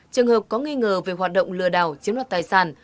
trường hợp có nghi ngờ về hoạt động lừa đảo chiếm đoạt tài sản